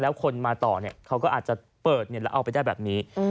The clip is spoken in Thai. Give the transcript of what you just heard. แล้วคนมาต่อเขาก็อาจจะเปิดแล้วเอาไปได้แบบนี้